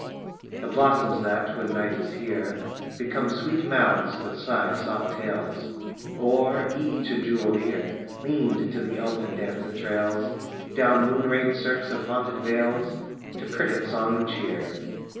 V The blossoms that, when night is here, Become sweet mouths that sigh soft tales; Or, each, a jeweled ear Leaned to the elfin dance that trails Down moonrayed cirques of haunted vales To cricket song and cheer.